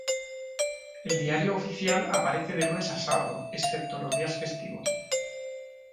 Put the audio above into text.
El "Diario Oficial" aparece de lunes a sábado, excepto los días festivos.